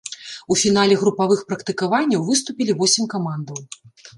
У фінале групавых практыкаванняў выступілі восем камандаў.